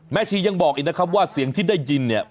ชียังบอกอีกนะครับว่าเสียงที่ได้ยินเนี่ย